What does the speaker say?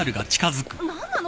何なの？